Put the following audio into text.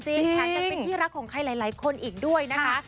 แถมยังเป็นที่รักของใครหลายคนอีกด้วยนะคะ